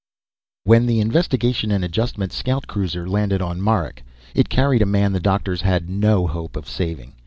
_ When the Investigation & Adjustment scout cruiser landed on Marak it carried a man the doctors had no hope of saving.